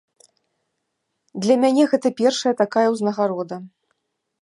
Для мяне гэта першая такая ўзнагарода.